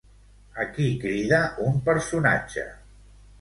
A qui crida un personatge?